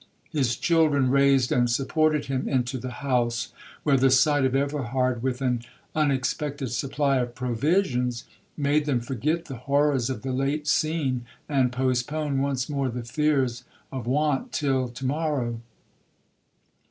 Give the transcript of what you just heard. His children raised and supported him into the house, where the sight of Everhard, with an unexpected supply of provisions, made them forget the horrors of the late scene, and postpone once more the fears of want till to morrow.